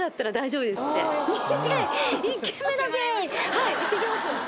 はい行ってきます。